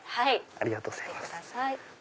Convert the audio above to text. ありがとうございます。